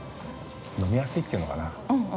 ◆飲みやすいっていうのかな。